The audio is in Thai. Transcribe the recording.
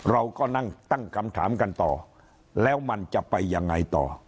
เราก็นั่งตั้งคำถามกันต่อแล้วมันจะไปยังไงต่อ